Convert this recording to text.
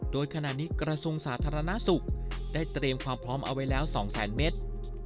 โดยขณะนี้กระทรวงสาธารณสุขได้เตรียมความพร้อมเอาไว้แล้ว๒๐๐๐เมตร